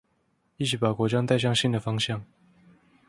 一起把國家帶向新的方向